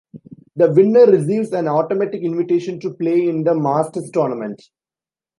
The winner receives an automatic invitation to play in the Masters Tournament.